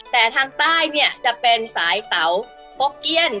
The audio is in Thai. แต่ทางใต้จะเป็นสายเต่าพกเกี้ยน